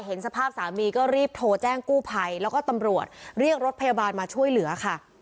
เห็นสภาพสามีก็รีบโทรแจ้งกู้ภัยแล้วก็ตำรวจเรียกรถพยาบาลมาช่วยเหลือค่ะ